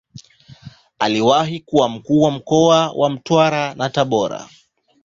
Aliwahi kuwa Mkuu wa mkoa wa Mtwara na Tabora.